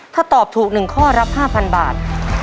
ถ้าตอบถูก๑ข้อรับ๕๐๐บาท